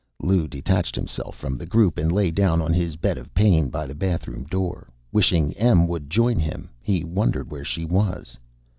Lou detached himself from the group and lay down on his bed of pain by the bathroom door. Wishing Em would join him, he wondered where she was.